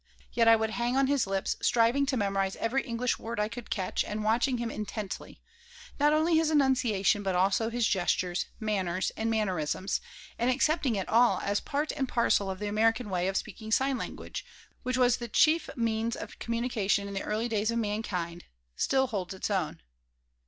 Yet I would hang on his lips, striving to memorize every English word I could catch and watching intently, not only his enunciation, but also his gestures, manners, and mannerisms, and accepting it all as part and parcel of the American way of speaking Sign language, which was the chief means of communication in the early days of mankind, still holds its own.